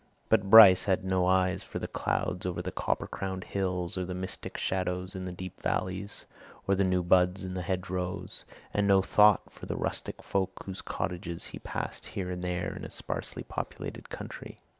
But Bryce had no eyes for the clouds over the copper crowned hills or the mystic shadows in the deep valleys or the new buds in the hedgerows, and no thought for the rustic folk whose cottages he passed here and there in a sparsely populated country.